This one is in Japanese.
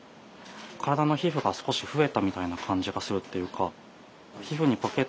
体の皮膚が少し増えたみたいな感じがするっていうか。